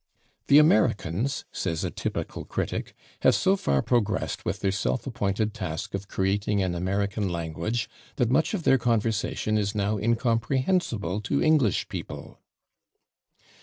"The Americans," says a typical critic, "have so far progressed with their self appointed task of creating an American language that much of their conversation is now incomprehensible to English people."